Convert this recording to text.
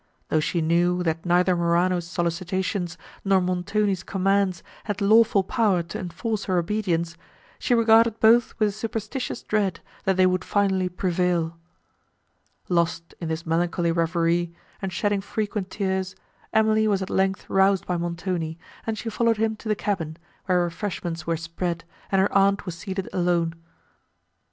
Though she knew, that neither Morano's solicitations, nor Montoni's commands had lawful power to enforce her obedience, she regarded both with a superstitious dread, that they would finally prevail. Lost in this melancholy reverie, and shedding frequent tears, Emily was at length roused by Montoni, and she followed him to the cabin, where refreshments were spread, and her aunt was seated alone.